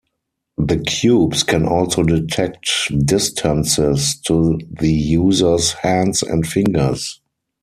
The cubes can also detect distances to the user's hands and fingers.